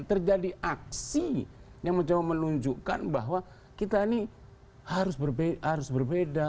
terjadi aksi yang mencoba menunjukkan bahwa kita ini harus berbeda